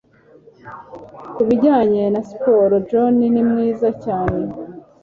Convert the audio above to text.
Ku bijyanye na siporo John ni mwiza cyane